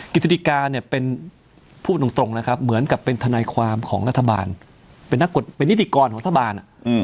กิจิกาเนี่ยเป็นพูดตรงนะครับเหมือนกับเป็นทนายความของรัฐบาลเป็นนิติกรของรัฐบาล